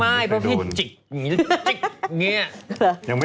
ไม่เพราะพี่จิ๊กอย่างนี้จิ๊กอย่างนี้